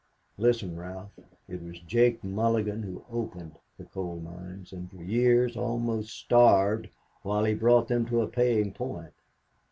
"Listen, Ralph. It was Jake Mulligan who opened the coal mines, and for years almost starved while he brought them to a paying point.